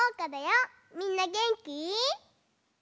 みんなげんき？